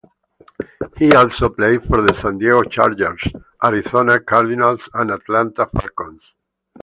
He also played for the San Diego Chargers, Arizona Cardinals and Atlanta Falcons.